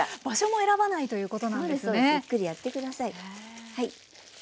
場所も選ばないということなんですね。